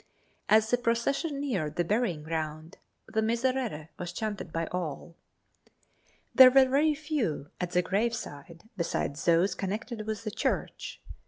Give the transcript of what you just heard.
As the procession neared the burying ground the 'Miserere' was chanted by all. There were very few at the graveside besides those connected with the church.